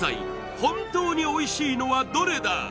本当においしいのはどれだ！？